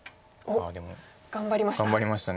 ああでも頑張りました。